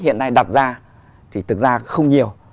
hiện nay đặt ra thì thực ra không nhiều